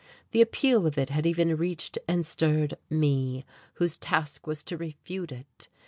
The appeal of it had even reached and stirred me, whose task was to refute it!